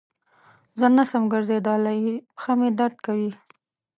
زه نسم ګرځیدلای پښه مي درد کوی.